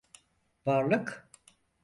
Varlık.